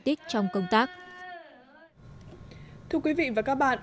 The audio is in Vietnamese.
tích trong công tác thưa quý vị và các bạn